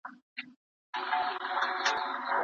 مور وویل چي ماشوم هڅه کوي.